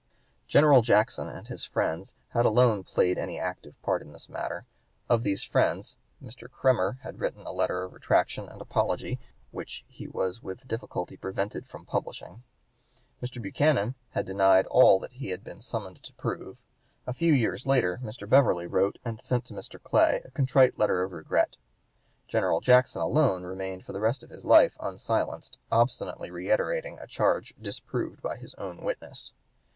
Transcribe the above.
General Jackson and his friends had alone played any active part in this matter. Of these friends Mr. Kremer had written a letter of retraction and apology which he was with difficulty prevented from publishing; Mr. Buchanan had denied all that he had been summoned to prove; a few years later Mr. Beverly wrote and sent to Mr. Clay a contrite letter of regret. General Jackson alone remained for the rest of his life unsilenced, obstinately reiterating a charge disproved by his own witnesses.